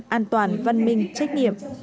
an toàn văn minh trách nhiệm